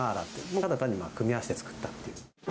ただ単に組み合わせて作ったという。